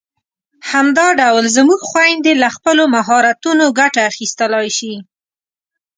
همدا ډول زموږ خويندې له خپلو مهارتونو ګټه اخیستلای شي.